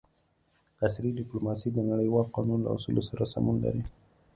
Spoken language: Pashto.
عصري ډیپلوماسي د نړیوال قانون له اصولو سره سمون لري